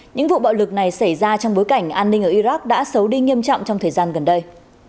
những vụ bạo lực này xảy ra trong bối cảnh an ninh ở iraq đã xấu đi nghiêm trọng trong thời gian gần đây